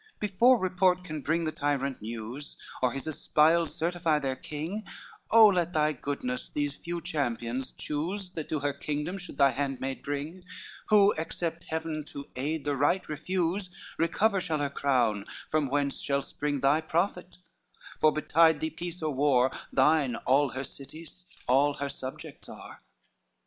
LXVIII "Before report can bring the tyrant news, Or his espials certify their king, Oh let thy goodness these few champions choose, That to her kingdom should thy handmaid bring; Who, except Heaven to aid the right refuse, Recover shall her crown, from whence shall spring Thy profit; for betide thee peace or war, Thine all her cities, all her subjects are."